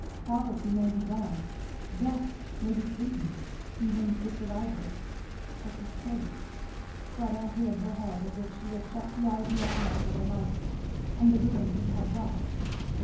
Poverty may be borne, death may be sweetened, even to the survivors; but disgrace Fleda hid her head, as if she would shut the idea out with the light. And the ruin it had wrought.